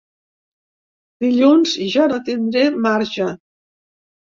Dilluns ja no tindré marge.